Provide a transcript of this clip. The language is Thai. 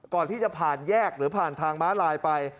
ก่อนที่จะผ่านแยกหรือผ่านทางม้าลายไป